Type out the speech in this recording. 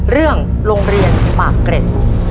เรื่องโรงเรียนปากเกร็ด